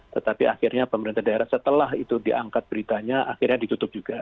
tetapi akhirnya pemerintah daerah setelah itu diangkat beritanya akhirnya ditutup juga